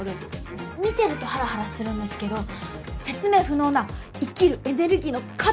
見てるとハラハラするんですけど説明不能な生きるエネルギーの塊みたいな人だなって。